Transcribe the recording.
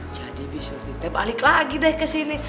jadi bishurti teh balik lagi deh kesini